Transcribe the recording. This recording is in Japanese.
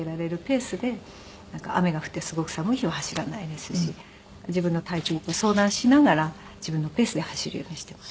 雨が降ってすごく寒い日は走らないですし自分の体調と相談しながら自分のペースで走るようにしています。